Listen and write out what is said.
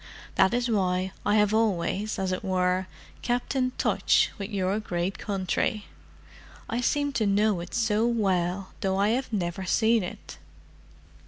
That is why I have always, as it were, kept in touch with your great country. I seem to know it so well, though I have never seen it."